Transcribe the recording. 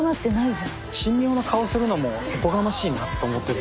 神妙な顔するのもおこがましいなと思って。